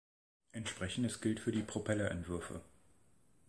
Entsprechendes gilt für die Propeller-Entwürfe.